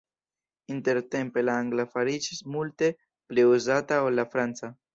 Intertempe la angla fariĝis multe pli uzata ol la franca.